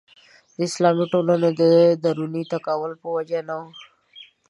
د اسلامي ټولنو د دروني تکامل په وجه نه وه.